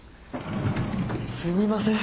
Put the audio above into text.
すみません。